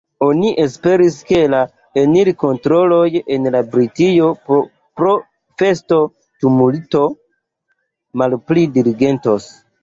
Oni esperis, ke la enir-kontroloj en Britio pro festo-tumulto malpli diligentos.